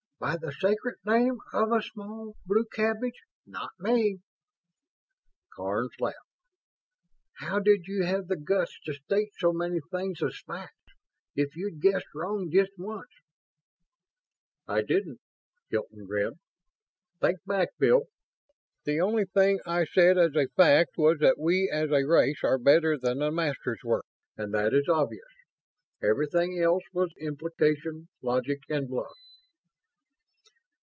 "By the sacred name of a small blue cabbage, not me!" Karns laughed. "How did you have the guts to state so many things as facts? If you'd guessed wrong just once " "I didn't." Hilton grinned. "Think back, Bill. The only thing I said as a fact was that we as a race are better than the Masters were, and that is obvious. Everything else was implication, logic, and bluff."